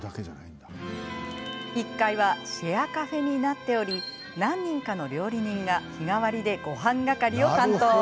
１階はシェアカフェになっており何人かの料理人が日替わりでごはん係を担当。